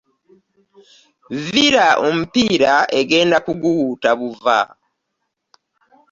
Villa omupiira egenda kuguwuuta buva.